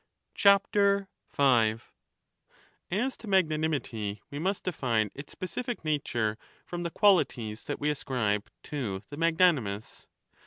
5 As to magnanimity we must define its specific nature from the qualities that we ascribe to the magnanimous.